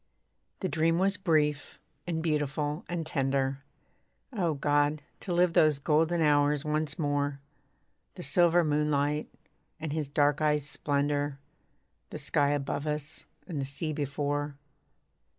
The dream was brief, and beautiful, and tender, (O God! to live those golden hours once more. The silver moonlight, and his dark eyes' splendour, The sky above us, and the sea before.)